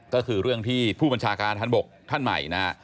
ก็คือเรื่องที่ผู้บัญชาการท่านบกท่านใหม่นะฮะ